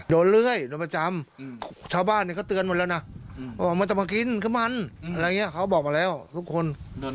โดนประจำแต่ไม่เข็ดก็มาตลอด